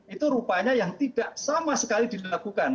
itu rupanya yang tidak sama sekali dilakukan